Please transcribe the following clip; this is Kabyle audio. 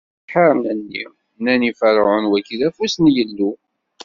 Iseḥḥaren-nni? Nnan i Ferɛun: Wagi, d afus n Yillu!